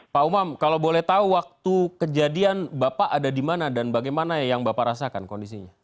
pak umam kalau boleh tahu waktu kejadian bapak ada di mana dan bagaimana yang bapak rasakan kondisinya